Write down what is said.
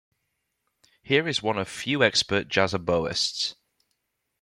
He is one of few expert jazz oboists.